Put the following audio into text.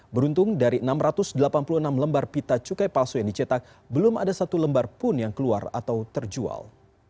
beruntung dari enam ratus delapan puluh enam lembar pita cukai palsu yang dicetak belum ada satu lembar pun yang keluar atau terjual